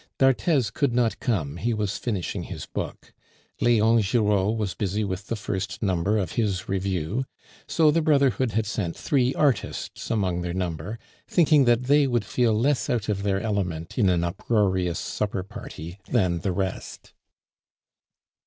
D'Arthez could not come, he was finishing his book; Leon Giraud was busy with the first number of his review; so the brotherhood had sent three artists among their number, thinking that they would feel less out of their element in an uproarious supper party than the rest.